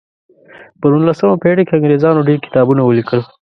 په نولسمه پیړۍ کې انګریزانو ډیر کتابونه ولیکل.